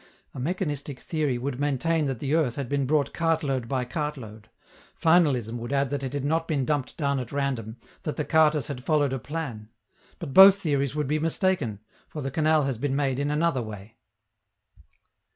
A mechanistic theory would maintain that the earth had been brought cart load by cart load; finalism would add that it had not been dumped down at random, that the carters had followed a plan. But both theories would be mistaken, for the canal has been made in another way.